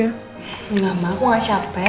enggak mama aku gak capek